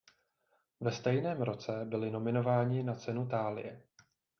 Ve stejném roce byli nominováni na Cenu Thálie.